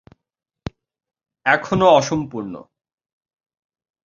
এখনও অসম্পূর্ণ।